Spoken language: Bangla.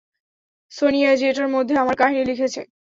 সোনিয়াজি এটার মধ্যে আমার কাহিনি লিখেছে।